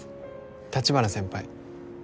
立花先輩